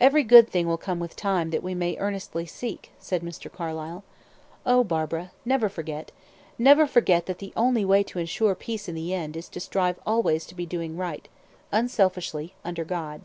"Every good thing will come with time that we may earnestly seek," said Mr. Carlyle. "Oh, Barbara, never forget never forget that the only way to ensure peace in the end is to strive always to be doing right, unselfishly under God."